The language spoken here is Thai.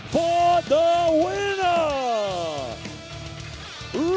เพื่อรักษา